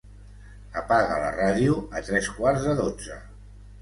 Apaga la ràdio a tres quarts de dotze.